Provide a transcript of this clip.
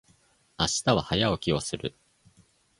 明日は早起きをする。